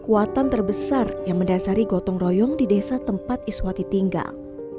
kekuatan terbesar yang mendasari gotong royong di desa tempat iswati tinggal